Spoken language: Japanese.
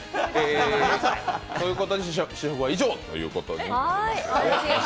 ということで試食は以上ということになりました。